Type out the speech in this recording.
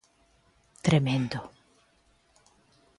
Tremendo.